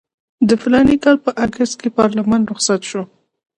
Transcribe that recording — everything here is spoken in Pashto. د فلاني کال په اګست کې پارلمان رخصت شو.